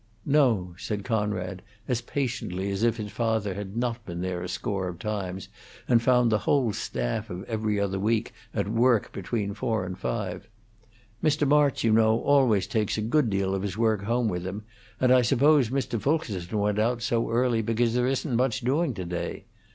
"No," said Conrad, as patiently as if his father had not been there a score of times and found the whole staff of "Every Other Week" at work between four and five. "Mr. March, you know, always takes a good deal of his work home with him, and I suppose Mr. Fulkerson went out so early because there isn't much doing to day.